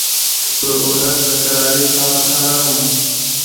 پر اولس د کرارۍ ساعت حرام وو